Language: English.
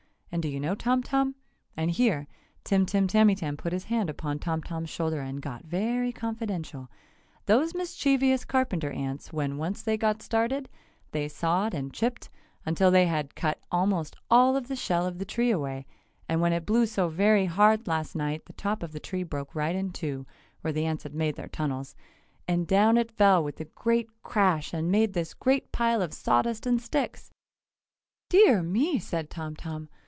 And do you know, Tom Tom," and here Tim Tim Tamytam put his hand upon Tom Tom's shoulder and got very confidential, "those mischievous carpenter ants, when they once got started, they sawed and chipped, until they had cut almost all of the shell of the tree away, and when it blew so very hard last night the top of the tree broke right in two, where the ants had made their tunnels, and down it fell with a great crash and made this great pile of sawdust and sticks!" "Dear me!" said Tom Tom.